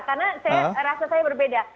karena rasa saya berbeda